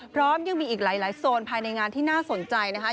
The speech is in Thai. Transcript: พร้อมยังมีอีกหลายโซนภายในงานที่น่าสนใจนะคะ